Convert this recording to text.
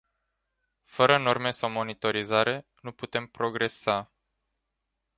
Fără norme sau monitorizare, nu putem progresa.